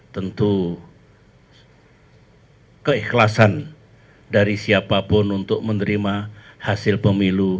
tentu keikhlasan dari siapapun untuk menerima hasil pemilu